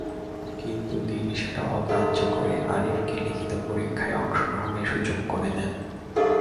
কিন্তু তিনি সেটা অগ্রাহ্য করে আরিফকে লিখিত পরীক্ষায় অংশগ্রহণের সুযোগ করে দেন।